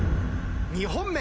２本目。